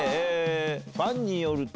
ファンによると。